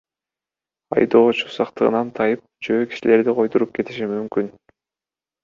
Айдоочу сактыгынан тайып жөө кишилерди койдуруп кетиши мүмкүн.